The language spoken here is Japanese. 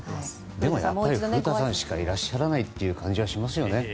でもやっぱり古田さんしかいらっしゃらないという感じがしますよね。